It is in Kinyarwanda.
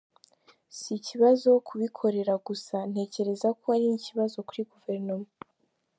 Si ikibazo ku bikorera gusa, ntekereza ko ari n’ikibazo kuri guverinoma.